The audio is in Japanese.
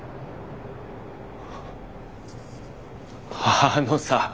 あのさ